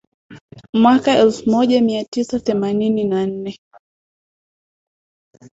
mwaka elfu moja mia tisa themanini na nne